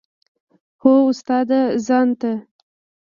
هو استاده ځان ته.